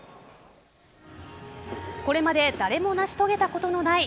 これまで誰も成し遂げたことのない